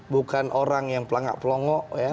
bukan orang yang pelangak pelongo